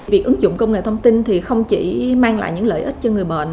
việc ứng dụng công nghệ thông tin thì không chỉ mang lại những lợi ích cho người bệnh